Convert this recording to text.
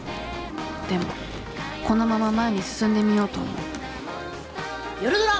でもこのまま前に進んでみようと思う夜ドラ！